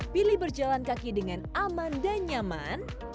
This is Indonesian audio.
pilih berjalan kaki dengan aman dan nyaman